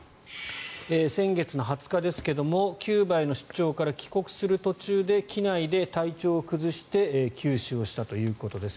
先月２０日ですがキューバへの出張から帰国する途中で機内で体調を崩して急死をしたということです。